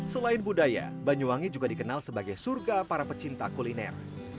selain budaya banyuwangi juga dikenal sebagai surga para pecinta kuliner